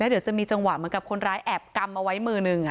เดี๋ยวจะมีจังหวะเหมือนกับคนร้ายแอบกำเอาไว้มือหนึ่ง